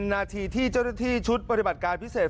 นาทีที่เจ้าหน้าที่ชุดปฏิบัติการพิเศษ